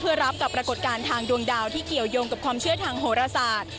เพื่อรับกับปรากฏการณ์ทางดวงดาวที่เกี่ยวยงกับความเชื่อทางโหรศาสตร์